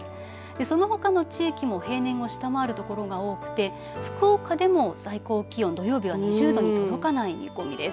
そのほかの地域も平年を下回るところが多くて福岡でも最高気温、土曜日は２０度に届かない見込みです。